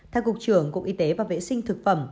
theo cục trưởng cục y tế và vệ sinh thực phẩm